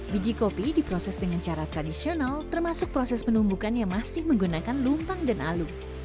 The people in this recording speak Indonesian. biji kopi diproses dengan cara tradisional termasuk proses penumbukan yang masih menggunakan lumpang dan alu